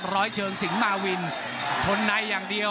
ร้อยเชิงสิงหมาวินชนในอย่างเดียว